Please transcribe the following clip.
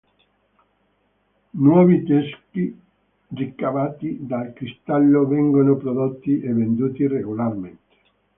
Nuovi teschi ricavati dal cristallo vengono prodotti e venduti regolarmente.